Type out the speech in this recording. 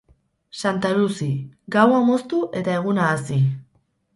Santa Luzi: gaua moztu eta eguna hazi.